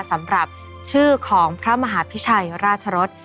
สำหรับชื่อของพระมหาพิชัยราชรส